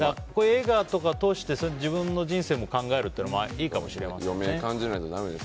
映画とか通して自分の人生を考えるというのもいいかもしれませんね。